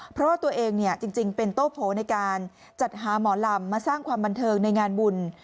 เพราะว่าตัวเองจริงเป็นโต้โผในการจัดหาหมอลำมาสร้างความบันเทิงในงานบุญ